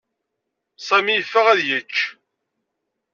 Sami yeffeɣ ad yečč.